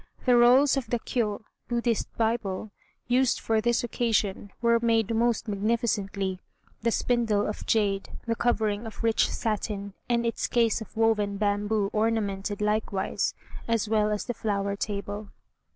The rolls of the Kiô (Buddhist Bible) used for this occasion were made most magnificently the spindle of jade, the covering of rich satin, and its case of woven bamboo ornamented likewise, as well as the flower table.